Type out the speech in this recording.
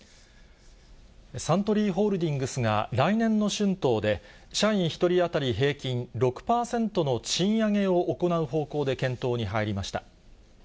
サントリーホールディングスが、来年の春闘で、社員１人当たり平均６％の賃上げを行う方向で検討に入りました。